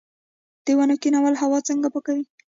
د ونو کینول هوا څنګه پاکوي؟